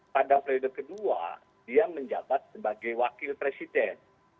pada periode kedua dia menjabat sebagai wakil presiden